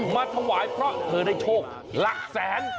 มาถวายเพราะเธอได้โชคหลักแสน